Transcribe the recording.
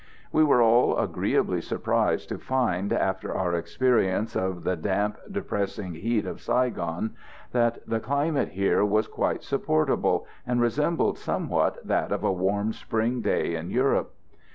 We were all agreeably surprised to find, after our experience of the damp, depressing heat of Saigon, that the climate here was quite supportable, and resembled somewhat that of a warm spring day in Europe.